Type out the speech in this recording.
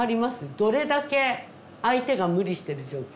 どれだけ相手が無理してる状況か。